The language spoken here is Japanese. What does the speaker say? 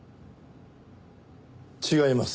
違います。